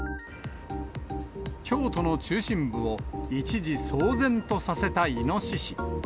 京都の中心部を、一時騒然とさせたイノシシ。